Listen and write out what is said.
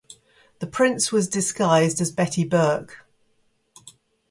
The prince was disguised as Betty Burke.